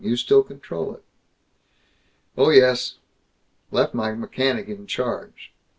You still control it?" "Oh yes. Left my mechanic in charge.